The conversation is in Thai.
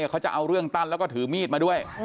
เขาจะเอาเรื่องตั้นแล้วก็ถือมีดมาด้วย